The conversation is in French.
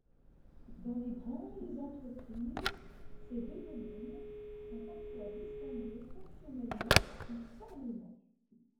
Dans les grandes entreprises, ces deux domaines sont parfois distingués fonctionnellement ou formellement.